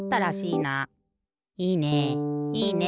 いいね。